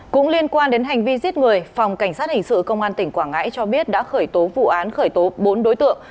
cũng liên quan đến hành vi giết người phòng cảnh sát hình sự công an tỉnh quảng ngãi cho biết đã khởi tố vụ án khởi tố bốn đối tượng